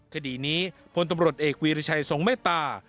คดีนี้พลตำรวจเอกวีริชัยทรงเมตตา